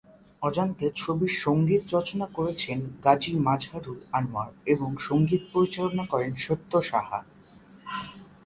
অজান্তে ছবির সঙ্গীত রচনা করেছেন গাজী মাজহারুল আনোয়ার এবং সঙ্গীত পরিচালনা করেন সত্য সাহা।